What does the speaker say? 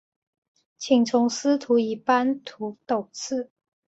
请从司徒以班徙次。